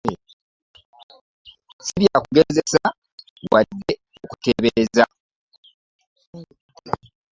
Si bya kugereesa wadde okuteebereza.